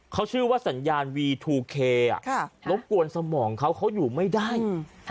เขาชื่อว่าสัญญาณวีทูเคอ่ะครับครับรบกวนสมองเขาเขาหยุดไม่ได้อืม